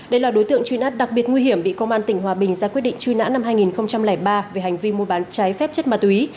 đây là đối tượng truy nã đặc biệt nguy hiểm bị công an tỉnh hòa bình ra quyết định truy nã năm hai nghìn ba về hành vi mua bán trái phép chất ma túy